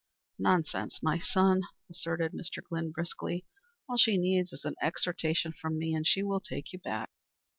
"Nonsense, my man," asserted Mr. Glynn briskly. "All she needs is an exhortation from me, and she will take you back."